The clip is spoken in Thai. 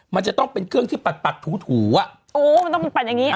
มันจะต้องเป็นเครื่องที่ปัดปัดถูถูอ่ะโอ้มันต้องปัดอย่างงี